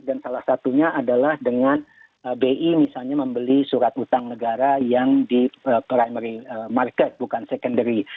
dan salah satunya adalah dengan bi misalnya membeli surat utang negara yang di primary market bukan secondary